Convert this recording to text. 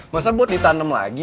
masa buat ditanem lagi